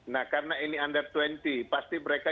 nah karena ini under dua puluh pasti mereka